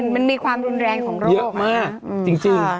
มันมีความรุนแรงของโลก